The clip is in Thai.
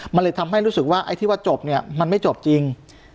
มันเลยทำให้รู้สึกว่าไอ้ที่ว่าจบเนี่ยมันไม่จบจริง